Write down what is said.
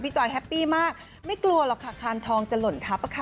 จอยแฮปปี้มากไม่กลัวหรอกค่ะคานทองจะหล่นทับค่ะ